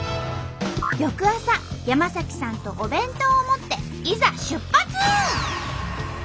翌朝山さんとお弁当を持っていざ出発！